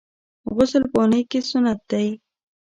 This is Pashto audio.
غسل په اونۍ کي سنت دی.